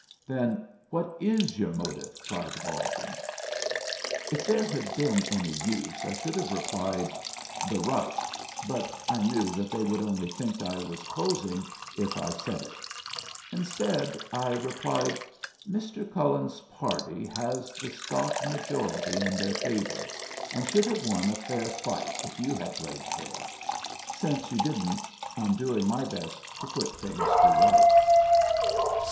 "Then what is your motive?" cried Baldwin. If there had been any use, I should have replied, "The right;" but I knew that they would only think I was posing if I said it. Instead I replied: "Mr. Cullen's party has the stock majority in their favor, and would have won a fair fight if you had played fair. Since you didn't, I'm doing my best to put things to rights."